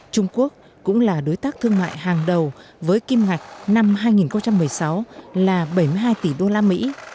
trung quốc cũng là đối tác thương mại hàng đầu với kim ngạch năm hai nghìn một mươi sáu là bảy mươi hai tỷ đô la mỹ